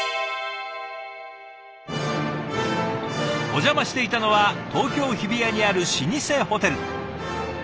お邪魔していたのは東京・日比谷にある老舗ホテル。